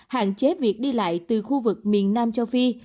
hạn chế việc đi lại từ khu vực miền nam châu phi